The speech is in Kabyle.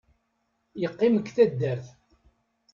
Yeqqim g taddart.